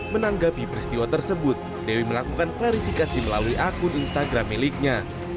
menanggapi peristiwa tersebut dewi melakukan klarifikasi melalui akun instagram miliknya